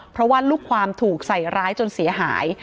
เพราะว่าลูกความถูกใส่ร้ายจนเสียหาย